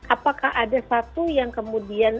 apakah ada satu yang kemudian